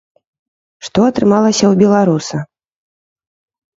Што атрымалася ў беларуса?